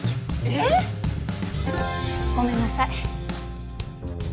えっ！？ごめんなさい。